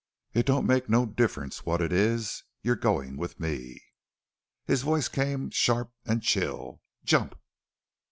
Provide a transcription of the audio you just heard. It don't make no difference what it is, you're goin' with me." His voice came sharp and chill: "Jump!"